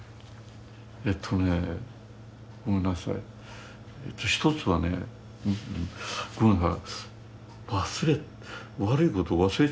えっとねごめんなさい一つはね忘れ悪いことを忘れちゃうなあ。